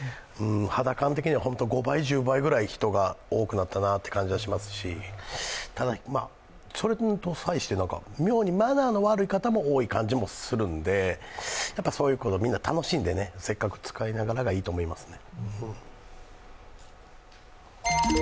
肌感的には５倍、１０倍くらいに人が多くなったなという感じがしますし、ただ、それに際して妙にマナーの悪い方も多い感じもするので、そういうこと、みんな楽しんで使ったらいいかなと思いますね。